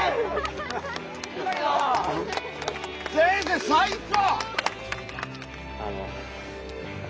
先生最高！